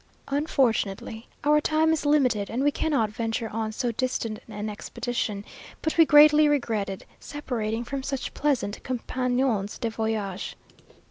Unfortunately, our time is limited, and we cannot venture on so distant an expedition; but we greatly regretted separating from such pleasant compagnons de voyage.